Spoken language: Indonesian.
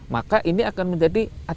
maka ini akan menjadi